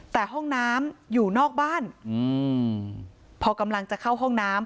แต่ห้องน้ำอยู่นอกบ้านอืมพอกำลังจะเข้าห้องน้ำ